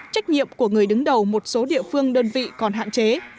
trách nhiệm của người đứng đầu một số địa phương đơn vị còn hạn chế